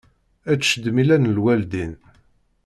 Ečč-d mi llan lwaldin.